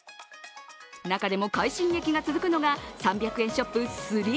中でも快進撃が続くのが３００円ショップ